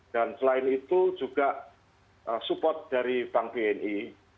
dan selain itu juga support dari bank bni